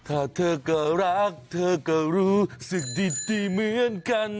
ถ้าเธอก็รักเธอก็รู้สึกดีเหมือนกัน